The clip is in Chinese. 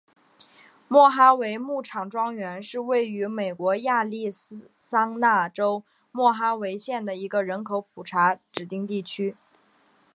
莫哈维牧场庄园是位于美国亚利桑那州莫哈维县的一个人口普查指定地区。